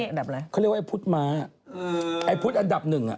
เขาเรียกว่าไอ้พุทธม้าไอ้พุทธอันดับหนึ่ง